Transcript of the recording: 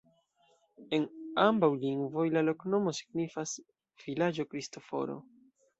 En ambaŭ lingvoj la loknomo signifas: vilaĝo Kristoforo.